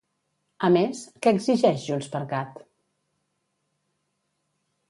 A més, què exigeix JxCat?